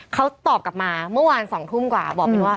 เขาตอบกลับมาเมื่อวาน๒ทุ่มกว่าบอกเป็นว่า